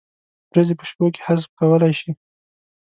ورځې په شپو کې حذف کولای شي؟